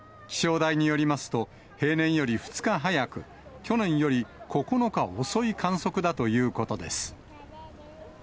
気象台によりますと、平年より２日早く、去年より９日遅い観測だということです。